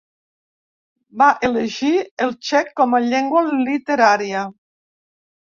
Va elegir el txec com a llengua literària.